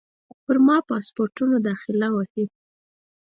پر پاسپورټونو داخله وهي.